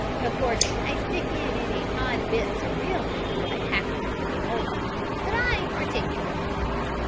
Of course, I stick in any hodd bits o' real noos I 'appens to git hold of, but I ain't partickler."